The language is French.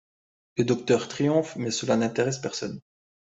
Le docteur triomphe, mais cela n’intéresse personne.